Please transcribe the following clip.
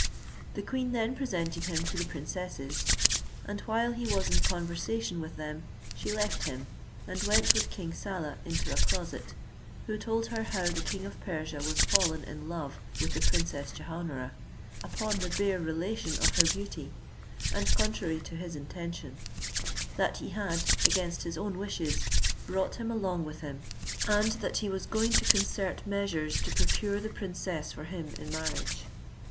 The queen then presented him to the princesses; and while he was in conversation with them, she left him, and went with King Saleh into a closet, who told her how the king of Persia was fallen in love with the Princess Jehaun ara, upon the bare relation of her beauty, and contrary to his intention; that he had, against his own wishes, brought him along with him, and that he was going to concert measures to procure the princess for him in marriage.